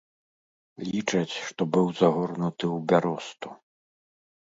Лічаць, што быў загорнуты ў бяросту.